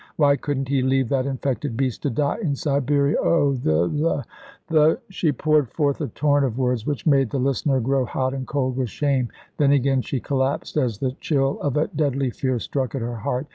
Why couldn't he leave that infected beast to die in Siberia? Oh, the the the " She poured forth a torrent of words, which made the listener grow hot and cold with shame. Then again she collapsed as the chill of a deadly fear struck at her heart.